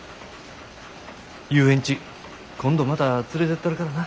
遊園地今度また連れてったるからな。